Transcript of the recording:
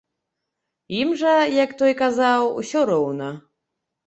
Ім жа, як той казаў, усё роўна.